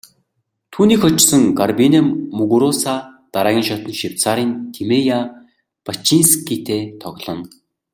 Түүнийг хожсон Гарбинэ Мугуруса дараагийн шатанд Швейцарын Тимея Бачинскитэй тоглоно.